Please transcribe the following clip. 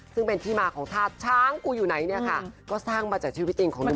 ซึ่งเป็นที่มาของธาตุช้างกูอยู่ไหนเนี่ยค่ะก็สร้างมาจากชีวิตจริงของหนู